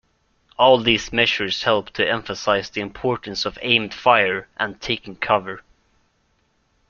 All these measures help to emphasize the importance of aimed fire, and taking cover.